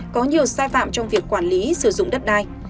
có nhiều sai phạm trong việc quản lý sử dụng đất đai